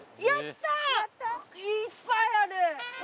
やった！